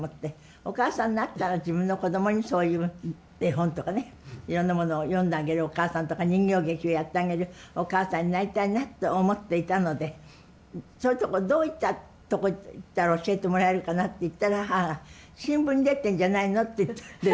お母さんになったら自分のこどもにそういう絵本とかねいろんなものを読んであげるお母さんとか人形劇をやってあげるお母さんになりたいなと思っていたのでそういうとこどういったとこ行ったら教えてもらえるかなって言ったら母が新聞に出てんじゃないのって言って。